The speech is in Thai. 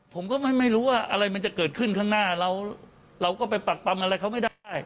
ผมก็ไม่รู้ว่าอะไรมันจะเกิดขึ้นข้างหน้าเราก็ไปปักปำอะไรเขาไม่ได้